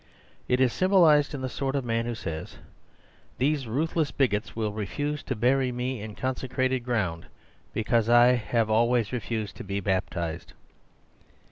It is symbolised in the sort of man who says, "These ruthless bigots will refuse to bury me in consecrated ground, because I have always refused to be bap tised."